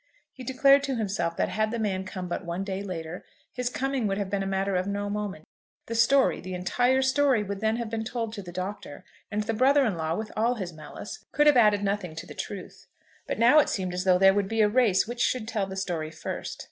He declared to himself that had the man come but one day later, his coming would have been matter of no moment. The story, the entire story, would then have been told to the Doctor, and the brother in law, with all his malice, could have added nothing to the truth. But now it seemed as though there would be a race which should tell the story first.